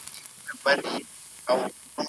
که تاسي خپل لپټاپ ته اوبه واچوئ نو هغه سوزیږي.